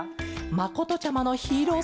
まことちゃまのヒーローすがた。